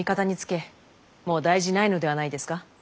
もう大事ないのではないですか？